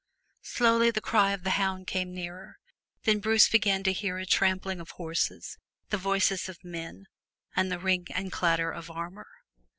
'.)lowly the cry of the hound came nearer, then Bruce began to hear a trampling of horses, the voices of men, and the ring and clatter of armor.